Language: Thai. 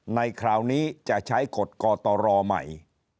ในคราวนี้จะใช้กฎกตรใหม่